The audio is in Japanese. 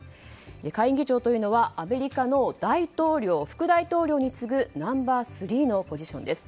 下院議長というのはアメリカの大統領副大統領に次ぐナンバー３のポジションです。